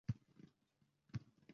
Darbadar.